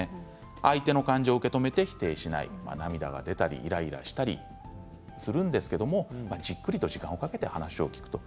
相手の感情を受け止めて否定しない、涙が出たりイライラしたりするんですけれどもじっくりと時間をかけて話を聞く。